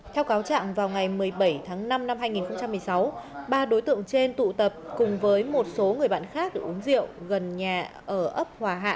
theo cáo trạng vào ngày một mươi bảy tháng năm năm hai nghìn một mươi sáu ba đối tượng trên tụ tập cùng với một số người bạn khác uống rượu gần nhà ở ấp hòa hạ